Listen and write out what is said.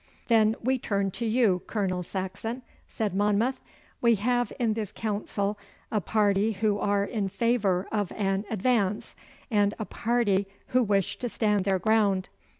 'Then we turn to you, Colonel Saxon,' said Monmouth. 'We have in this council a party who are in favour of an advance and a party who wish to stand their ground.